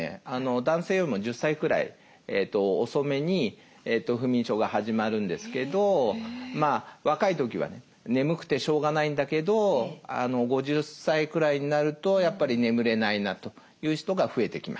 男性よりも１０歳くらい遅めに不眠症が始まるんですけど若い時はね眠くてしょうがないんだけど５０歳くらいになるとやっぱり眠れないなという人が増えてきます。